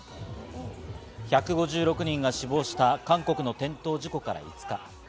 １５６人が死亡した韓国の転倒事故から５日。